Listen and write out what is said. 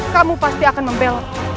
kamu pasti akan membelak